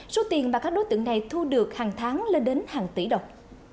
số tiền mà các đối tượng này thu được hàng tháng lên đến hàng tỷ đồng